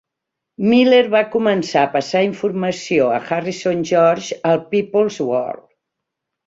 Miller va començar a passar informació a Harrison George al "People's World".